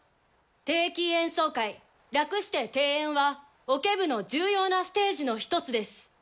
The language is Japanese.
定期演奏会略して「定演」はオケ部の重要なステージの１つです。